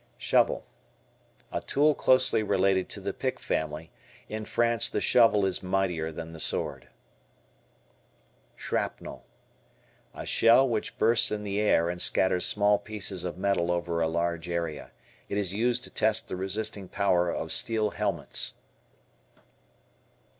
Shovel. A tool closely related to the pick family. In France the "shovel" is mightier than the sword. Shrapnel. A shell which bursts in the air and scatters small pieces of metal over a large area. It is used to test the resisting power of steel helmets.